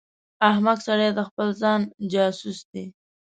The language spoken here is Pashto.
احمق سړی د خپل ځان جاسوس دی.